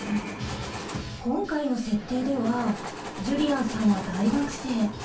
今回の設定ではジュリアンさんは大学生。